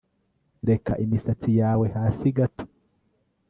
Reka imisatsi yawe hasi gato